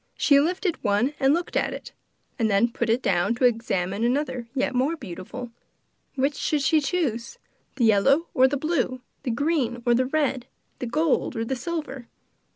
She lifted up one and looked at it, and then put it down to examine another yet more beautiful. Which should she choose, the yellow or the blue, the red or the green, the gold or the silver?